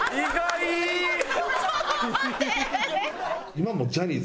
今もジャニーズ